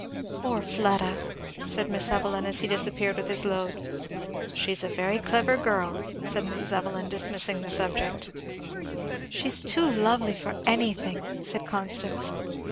"Poor Fleda!" said Miss Evelyn as he disappeared with his load. "She's a very clever girl," said Mrs. Evelyn dismissing the subject. "She's too lovely for anything!" said Constance.